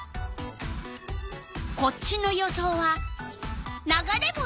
こっちの予想は「流れ星」？